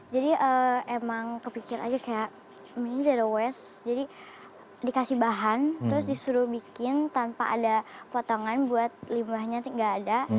jadi emang kepikir aja kayak ini zero waste jadi dikasih bahan terus disuruh bikin tanpa ada potongan buat limbahnya gak ada